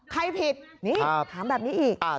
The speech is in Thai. ผิดนี่ถามแบบนี้อีก